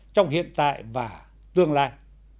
trong hiện tại và tương lai